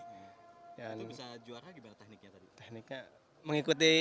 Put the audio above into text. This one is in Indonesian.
itu bisa juara gimana tekniknya tadi